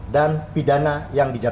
dan pidana yang diberikan